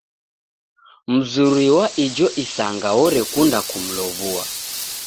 Mzuri wa ijo isanga orekunda kumlow'ua.